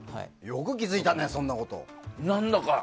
よく気付いたね、そんなこと。